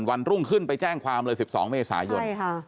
วันรุ่งขึ้นไปแจ้งความเลย๑๒เมษายน